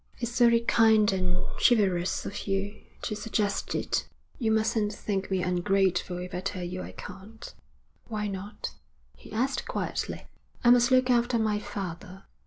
'It's very kind and chivalrous of you to suggest it. You mustn't think me ungrateful if I tell you I can't.' 'Why not?' he asked quietly. 'I must look after my father.